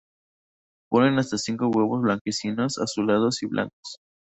Ponen hasta cinco huevos blanquecinos, azulados y blancos.